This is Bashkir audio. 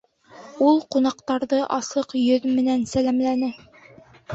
Ул ҡунаҡтарҙы асыҡ йөҙ менән сәләмләне: